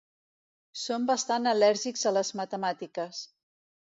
Són bastant al·lèrgics a les matemàtiques.